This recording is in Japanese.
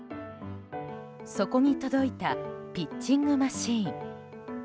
そこに届いたピッチングマシーン。